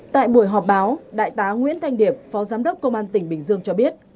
tại buổi họp báo đại tá nguyễn thanh điệp phó giám đốc công an tỉnh bình dương cho biết